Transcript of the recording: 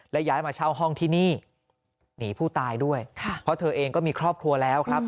และย้ายมาเช่าห้องที่นี่หนีผู้ตายด้วยเพราะเธอเองก็มีครอบครัวแล้วครับ